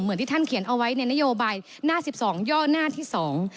ที่ท่านเขียนเอาไว้ในนโยบายหน้าสิบสองย่อหน้าที่สอง